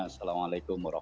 assalamualaikum wr wb